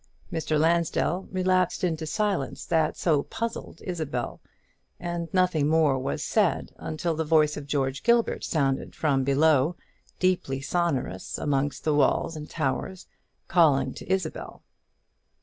Mr. Lansdell relapsed into the silence that so puzzled Isabel; and nothing more was said until the voice of George Gilbert sounded from below, deeply sonorous amongst the walls and towers, calling to Isabel.